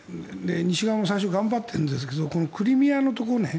西側も最初頑張っているんですがこのクリミアのところね。